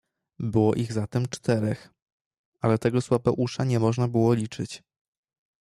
"Było ich zatem czterech, ale tego słabeusza nie można było liczyć."